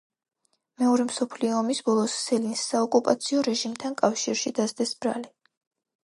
მეორე მსოფლიო ომის ბოლოს სელინს საოკუპაციო რეჟიმთან კავშირში დასდეს ბრალი.